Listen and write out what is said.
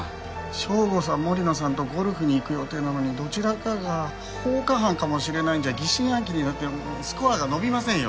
省吾さん森野さんとゴルフに行く予定なのにどちらかが放火犯かもしれないんじゃ疑心暗鬼になってスコアが伸びませんよ。